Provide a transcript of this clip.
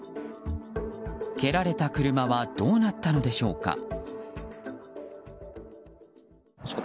蹴られた車はどうなったのでしょうか？